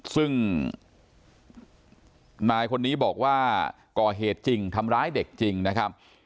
ซึ่งนายคนนี้บอกว่าก่อเหตุจริงทำร้ายเด็กจริงนะครับ